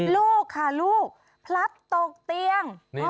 ลูกค่ะลูกพลัดตกเตียง